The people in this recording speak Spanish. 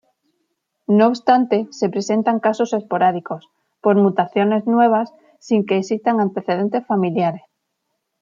No obstante se presentan casos esporádicos, por mutaciones nuevas, sin que existan antecedentes familiares.